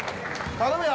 頼むよ。